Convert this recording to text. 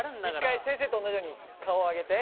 一回先生と同じように顔上げて。